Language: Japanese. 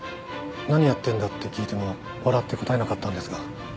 何やってんだって聞いても笑って答えなかったんですが。